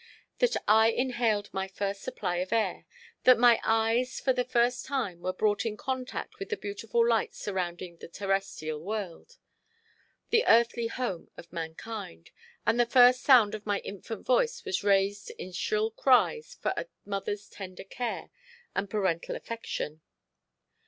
that I inhaled my first supply of air, that my eyes, for the first time, were brought in contact with the beautiful light surrounding the terrestrial world, the earthly home of mankind, and the first sound of my infant voice was raised in shrill cries for a mother's tender care and parental affection.